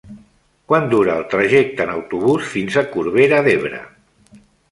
Quant dura el trajecte en autobús fins a Corbera d'Ebre?